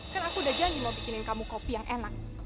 kan aku udah janji mau bikinin kamu kopi yang enak